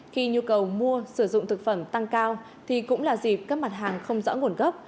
khi nhu cầu mua sử dụng thực phẩm tăng cao thì cũng là dịp các mặt hàng không rõ nguồn gốc